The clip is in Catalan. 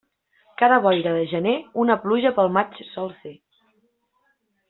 Cada boira de gener, una pluja pel maig sol ser.